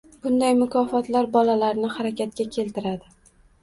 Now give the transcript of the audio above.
Bunday “mukofotlar” bolalarni harakatga keltiradi